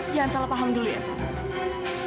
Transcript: jangan salah paham dulu ya sama